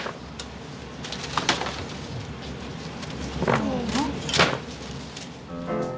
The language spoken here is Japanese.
せの。